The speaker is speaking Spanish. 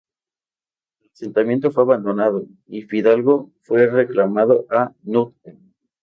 El asentamiento fue abandonado y Fidalgo fue reclamado a Nutka.